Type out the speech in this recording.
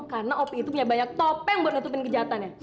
karena opi itu punya banyak topeng buat nutupin kejahatan ya